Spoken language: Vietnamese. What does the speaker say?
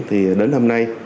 thì đến hôm nay